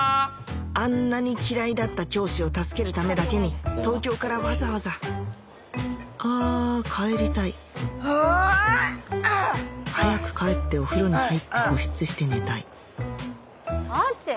⁉あんなに嫌いだった教師を助けるためだけに東京からわざわざあ帰りたいあぁあっあっ！早く帰ってお風呂に入って保湿して寝たいあーちん？